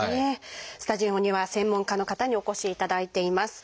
スタジオには専門家の方にお越しいただいています。